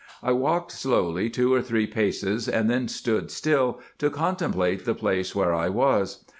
I walked slowly two or three paces, and then stood still to contemplate the place were I was.